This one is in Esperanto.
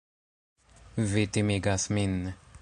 Vi timigas min.